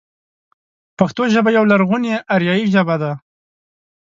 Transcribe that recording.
پښتو ژبه يوه لرغونې اريايي ژبه ده.